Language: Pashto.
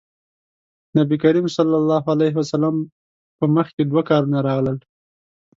نبي کريم ص په مخکې دوه کارونه راغلل.